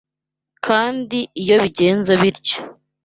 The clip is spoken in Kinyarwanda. kandi iyo bigenze bityo